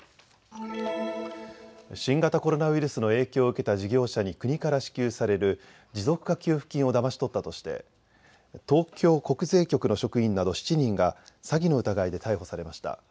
新型コロナウイルスの影響を受けた事業者に国から支給される持続化給付金をだまし取ったとして東京国税局の職員など７人が詐欺の疑いで逮捕されました。